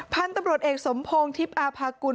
พันธุ์ตำรวจเอกสมพงศ์ทิพย์อาภากุล